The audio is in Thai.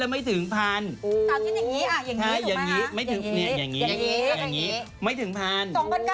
อย่างนี้อย่างนี้ไม่ถึงพัน